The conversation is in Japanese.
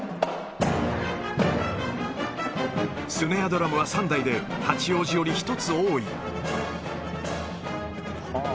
スネアドラムは３台で、八王子より１つ多い。